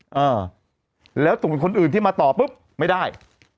อ่าแล้วส่งเป็นคนอื่นที่มาต่อปุ๊บไม่ได้